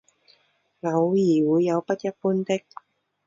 偶尔会有不一般的。